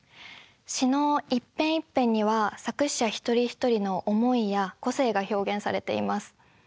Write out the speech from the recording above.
詩の一編一編には作詩者一人一人の思いや個性が表現されています。